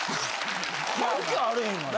関係あれへんがな。